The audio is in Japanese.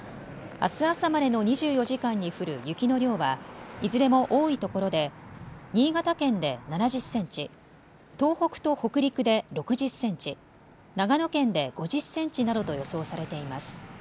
あす朝までの２４時間に降る雪の量はいずれも多いところで新潟県で７０センチ、東北と北陸で６０センチ、長野県で５０センチなどと予想されています。